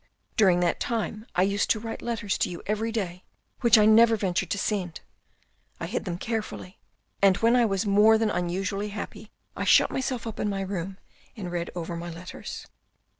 During that time I used to write letters to you every day which I never ventured to send. I hid them carefully and when I was more than usually unhappy I shut myself up in my room and read over my letters."